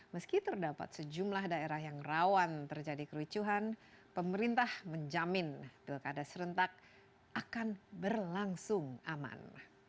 meski terdapat sejumlah daerah yang rawan terjadi kericuhan pemerintah menjamin pilkada serentak akan berlangsung aman